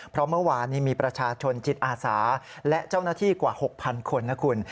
เพราะเมื่อวานนี้มีประชาชนจิตอาสาและเจ้าหน้าที่กว่า๖๐๐คนนะคุณ